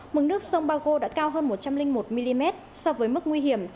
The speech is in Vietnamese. mực nước sông bago đã cao hơn một trăm linh một mm so với mức nguy hiểm